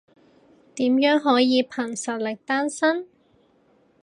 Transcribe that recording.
點樣可以憑實力單身？